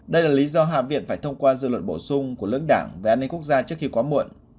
đây là lý do hạ viện phải thông qua dự luận bổ sung của lưỡng đảng về an ninh quốc gia trước khi quá muộn